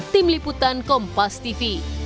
tim liputan kompas tv